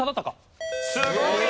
すごい！